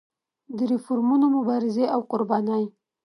د ریفورمونو مبارزې او قربانۍ.